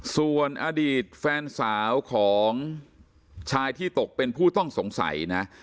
ส่วนอดีตแฟนสาวของชายที่ตกเป็นผู้ต้องสงสัยนะ